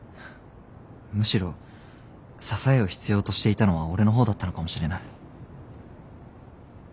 むしろ支えを必要としていたのは俺の方だったのかもしれない。